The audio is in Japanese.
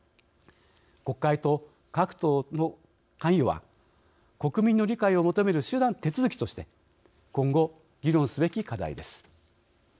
国会と各党の関与は国民の理解を求める手続きとして今後、議論すべき課題です。